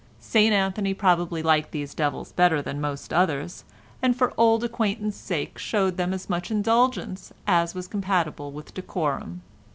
St Anthony probably liked these devils better than most others, and for old acquaintance sake showed them as much indulgence as was compatible with decorum.